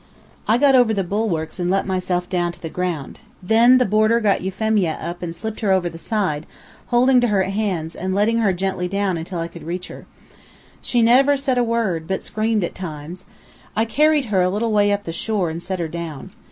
I got over the bulwarks and let myself down to the ground. Then the boarder got Euphemia up and slipped her over the side, holding to her hands, and letting her gently down until I could reach her. She said never a word, but screamed at times. I carried her a little way up the shore and set her down.